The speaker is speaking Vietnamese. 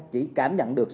chỉ cảm nhận được